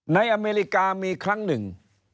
อเมริกามีครั้งหนึ่ง